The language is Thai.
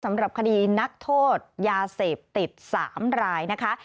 สำหรับคดีนักโทษยาเสพติด๓รายนะคะ